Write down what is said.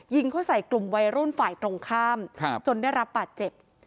ยิงเขาใส่กลุ่มวัยรุ่นฝ่ายตรงข้ามจนได้รับบาดเจ็บ